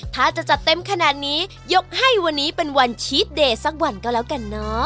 ถ้าจะจัดเต็มขนาดนี้ยกให้วันนี้เป็นวันชีสเดย์สักวันก็แล้วกันเนอะ